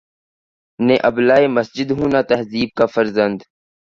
نے ابلۂ مسجد ہوں نہ تہذیب کا فرزند